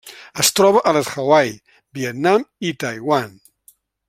Es troba a les Hawaii, Vietnam i Taiwan.